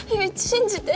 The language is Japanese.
信じて！